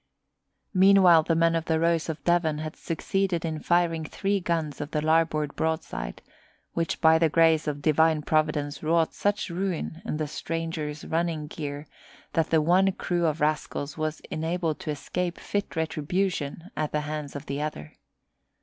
Meanwhile the men of the Rose of Devon had succeeded in firing three guns of the larboard broadside, which by the grace of Divine Providence wrought such ruin in the stranger's running gear that the one crew of rascals was enabled to escape fit retribution at the hands of the other.